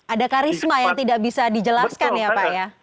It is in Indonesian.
ada karisma yang tidak bisa dijelaskan ya pak ya